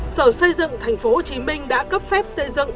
sở xây dựng tp hcm đã cấp phép xây dựng